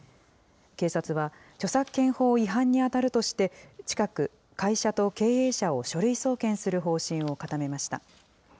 警察は、著作権法違反に当たるとして、近く会社と経営者を書類送検する方針を固めました。